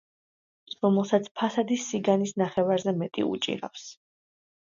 რომელსაც ფასადის სიგანის ნახევარზე მეტი უჭირავს.